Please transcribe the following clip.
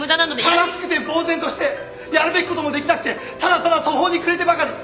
悲しくてぼう然としてやるべきこともできなくてただただ途方に暮れてばかり。